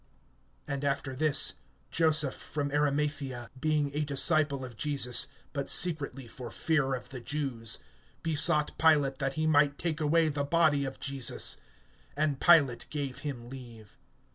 (38)And after this, Joseph from Arimathaea, being a disciple of Jesus, but secretly for fear of the Jews, besought Pilate that he might take away the body of Jesus; and Pilate gave him leave.